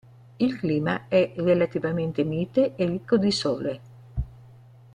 Il clima è relativamente mite e ricco di sole.